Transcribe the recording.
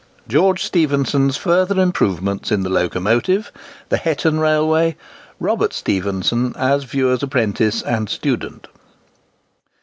GEORGE STEPHENSON'S FURTHER IMPROVEMENTS IN THE LOCOMOTIVE—THE HETTON RAILWAY—ROBERT STEPHENSON AS VIEWER'S APPRENTICE AND STUDENT.